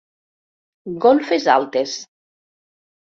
Golfes altes.